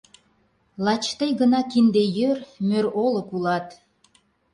Лач тый гына «кинде йӧр», мӧр олык улат.